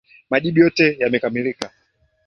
Majibu yote yamekamilika.